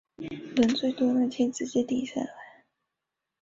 人最多那天直接定下来